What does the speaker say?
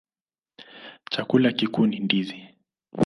Chakula kikuu ni ndizi.